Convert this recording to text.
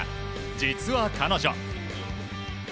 実は彼女。